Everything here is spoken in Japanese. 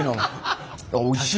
おいしい。